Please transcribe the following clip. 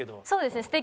そうですね。